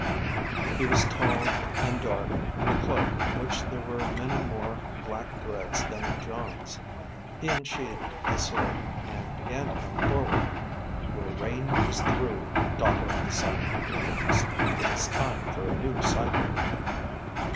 He was tall, and dark, in a cloak in which there were many more black threads than in Jon's. He unsheathed a sword, and began to come forward. "Your reign is through, Daughter of the Sun," he announced. "It is time for a new cycle."